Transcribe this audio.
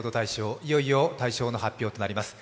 いよいよ大賞の発表となります。